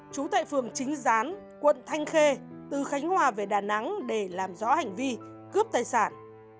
trú tại phường chính gián quận thanh khê từ khánh hòa về đà nẵng để làm rõ hành vi cướp tài sản